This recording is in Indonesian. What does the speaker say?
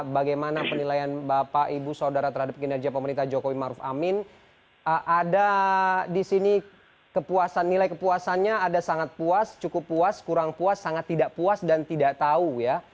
bagaimana penilaian bapak ibu saudara terhadap kinerja pemerintah jokowi maruf amin ada di sini kepuasan nilai kepuasannya ada sangat puas cukup puas kurang puas sangat tidak puas dan tidak tahu ya